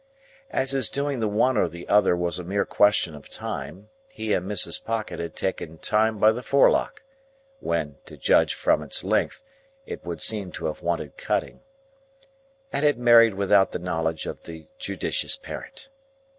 As his doing the one or the other was a mere question of time, he and Mrs. Pocket had taken Time by the forelock (when, to judge from its length, it would seem to have wanted cutting), and had married without the knowledge of the judicious parent.